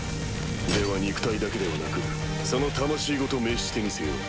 では肉体だけではなくその魂ごと滅してみせよう。